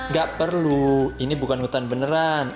gak perlu ini bukan hutan beneran